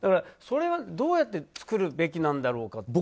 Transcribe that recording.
それをどうやって作るべきなんだろうかと。